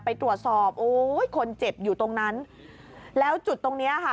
ไปตรวจสอบโอ้ยคนเจ็บอยู่ตรงนั้นแล้วจุดตรงเนี้ยค่ะ